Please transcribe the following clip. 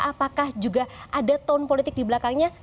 apakah juga ada tone politik di belakangnya